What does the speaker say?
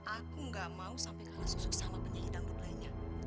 aku gak mau sampai kalah susu sama penyelidik dan dukun lainnya